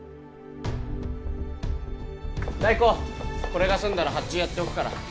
代行これが済んだら発注やっておくから。